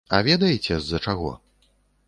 А ведаеце з-за чаго?